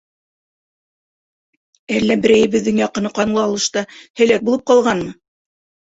Әллә берәйебеҙҙең яҡыны ҡанлы алышта һәләк булып ҡалғанмы?